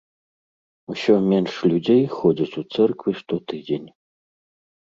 Усё менш людзей ходзяць у цэрквы штотыдзень.